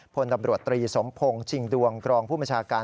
พลตำรวจตรีสมพงศ์ชิงดวงกรองผู้บัญชาการ